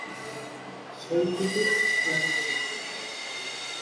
সেই থেকে এই নামের উৎপত্তি।